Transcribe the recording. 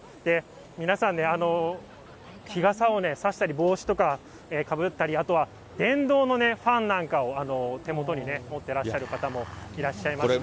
皆さんね、日傘を差したり、帽子とかかぶったりとか、あとは電動のね、ファンなんかを手元に持ってらっしゃる方もいらっしゃいまして。